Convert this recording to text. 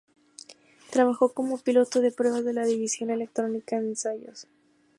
Trabajó como piloto de pruebas de la División de Electrónica de Ensayos.